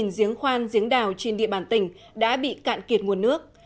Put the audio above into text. một mươi ba giếng khoan giếng đào trên địa bàn tỉnh đã bị cạn kiệt nguồn nước